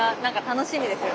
楽しみですが。